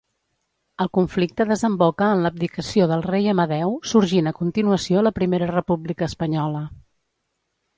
El conflicte desemboca en l'abdicació del rei Amadeu sorgint a continuació la Primera República Espanyola.